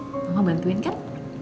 mama bantuin kan